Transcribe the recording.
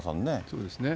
そうですね。